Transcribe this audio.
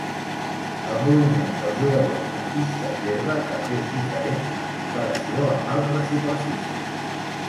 El moviment del jugador en pistes d'herba també és diferent en comparació amb altres superfícies.